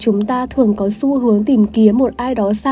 chúng ta thường có xu hướng tìm kiếm một ai đó xa lạ để dễ dàng chia sẻ